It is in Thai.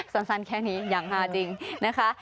สั้นแค่นี้อย่างฮาจริงนะคะ